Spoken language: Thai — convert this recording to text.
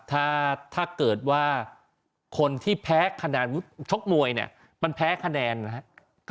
ถ้าถ้าเกิดว่าคนที่แพ้คะแนนชกมวยเนี่ยมันแพ้คะแนนนะครับ